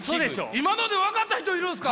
今ので分かった人いるんすか！？